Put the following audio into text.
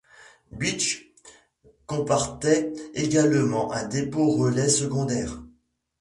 Bitche comportait également un dépôt-relais secondaire.